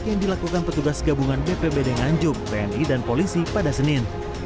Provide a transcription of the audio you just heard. yang dilakukan petugas gabungan bpbd nganjuk tni dan polisi pada senin